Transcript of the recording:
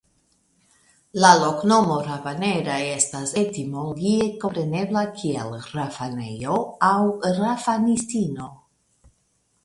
La loknomo "Rabanera" estas etimologie komprenebla kiel "Rafanejo" aŭ "Rafanistino".